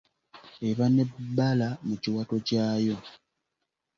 Eba n’ebbala mu kiwato kyayo.